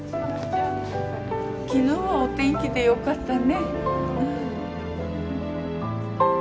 昨日はお天気でよかったね。